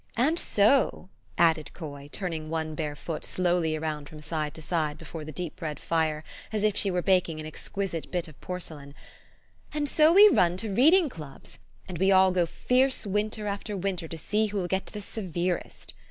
" And so," added Coy, turning one bare foot slowly around from side to side, before the deep red fire, as if she were baking an exquisite bit of porce lain, " and so we run to reading clubs ; and we all go fierce winter after winter to see who'll get the 1 severest.'